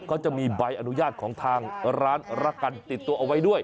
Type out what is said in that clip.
เขาจะมีใบอนุญาตของทางร้านรักกันติดตัวเอาไว้ด้วย